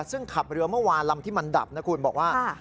ซึ่งขับเรือเมื่อวานลำที่มันดับนะคุณบอกว่า